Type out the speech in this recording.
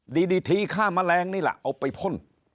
ดีทีฆ่าแมลงนี่แหละเอาไปพ่น